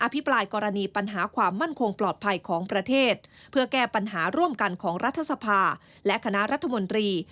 พิปรายกรณีปัญหาความมั่นคงปลอดภัยของประเทศเพื่อแก้ปัญหาร่วมกันของรัฐสภาและคณะรัฐมนตรี